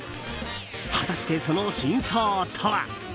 果たして、その真相とは？